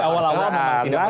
jadi awal awal tidak masuk